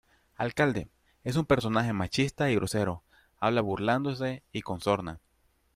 Alcalde: es un personaje machista y grosero, habla burlándose y con sorna.